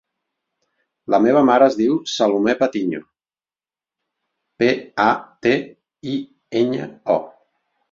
La meva mare es diu Salomé Patiño: pe, a, te, i, enya, o.